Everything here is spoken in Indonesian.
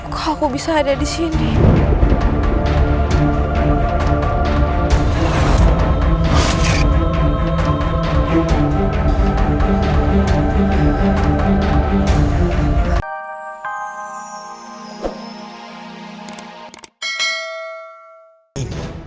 kau bisa ada disini